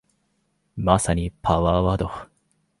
まさにパワーワード